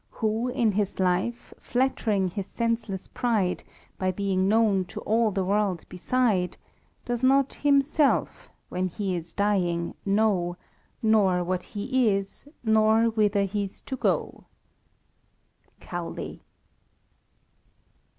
Who in his life, flattering his senseless pride. By being known to all the world beside. Does not himself, when he is dying, know, Nor what he is, nor whither he's to go." CowLEY.